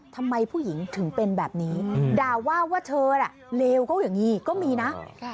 ทำไมผู้หญิงถึงเป็นแบบนี้ด่าว่าว่าเธอน่ะเลวก็อย่างนี้ก็มีนะ